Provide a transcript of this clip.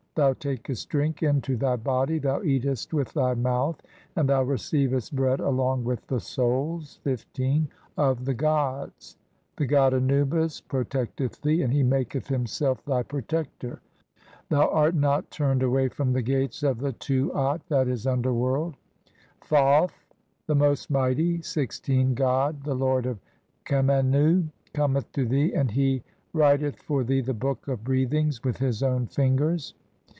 Thou takest drink into thy body, thou eatest "with thy mouth, and thou receivest bread along with "the souls (15) of the gods. The god Anubis pro "tecteth thee, and he maketh himself thy protector; THE BOOK OF BREATHINGS. CXCVII "thou art not turned away from the gates of the Tuat "(7. e., underworld). Thoth, the most mighty (16) god, "the lord of Khemennu, cometh to thee, and he writ "eth for thee the Book of Breathings with his own fin "gers.